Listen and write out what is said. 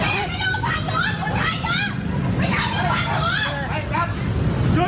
ไอ้เต๋